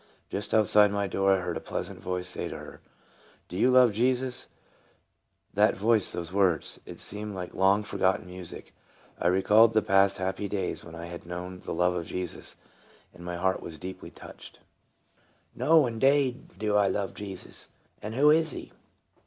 Just out side my door I heard a pleasant voice say to her, " Do you love Jesus ?" That voice those words ! It seemed like long forgotten music. It recalled the past happy days when I had known the love of Jesus, and my heart was deeply touched. 48 TRANSFORMED. " No, indade, do I love Jesus ; and who is he